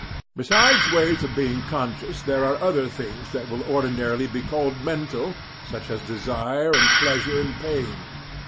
Besides ways of being conscious there are other things that would ordinarily be called "mental," such as desire and pleasure and pain.